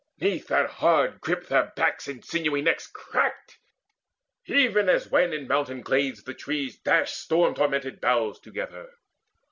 'Neath that hard grip their backs and sinewy necks Cracked, even as when in mountain glades the trees Dash storm tormented boughs together.